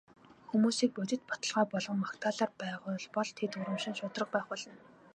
Хүмүүсийг бодит баталгаа болон магтаалаар байгуулбал тэд урамшин шударга байх болно.